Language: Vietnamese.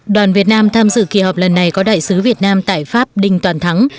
đoàn việt nam tham dự kỳ họp lần này có đại sứ việt nam tại pháp đinh toàn thắng